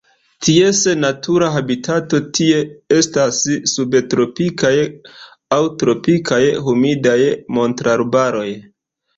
Ties natura habitato tie estas subtropikaj aŭ tropikaj humidaj montararbaroj.